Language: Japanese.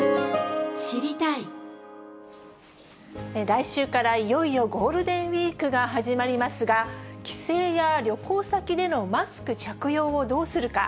来週から、いよいよゴールデンウィークが始まりますが、帰省や旅行先でのマスク着用をどうするか。